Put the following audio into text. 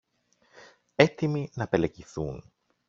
έτοιμοι να πελεκηθούν